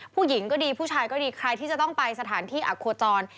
ผู้หญิงก็ดีผู้ชายก็ดีใครที่จะต้องไปสถานที่อักโคจร